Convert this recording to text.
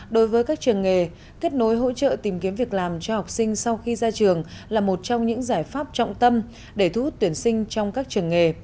đối với các trường nghề kết nối hỗ trợ tìm kiếm việc làm cho học sinh sau khi ra trường là một trong những giải pháp trọng tâm để thu hút tuyển sinh trong các trường nghề